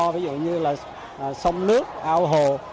ví dụ như là sông nước ao hồ